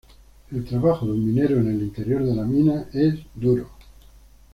El trabajo de un minero en el interior de la mina es duro.